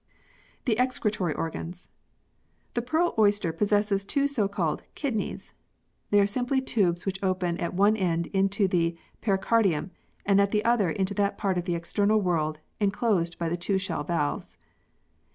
The Excretory Organs. The pearl oyster possesses two so called "kidneys." They are simply tubes which open at one end into the pericardium and at the other into that part of the external world enclosed by the two shell valves.